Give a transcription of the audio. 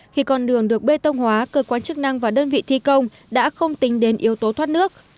khi con đường được bê tông hóa cơ quan chức năng và đơn vị thi công đã không tính đến yếu tố thoát nước